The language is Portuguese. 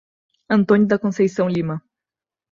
Antônio da Conceição Lima